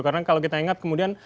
karena kalau kita ingat kemudian